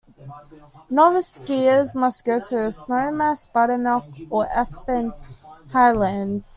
Novice skiers must go to Snowmass, Buttermilk, or Aspen Highlands.